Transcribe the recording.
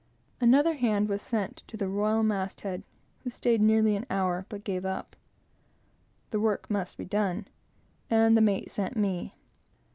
Another hand was sent to the royal mast head, who staid nearly an hour, but gave up. The work must be done, and the mate sent me.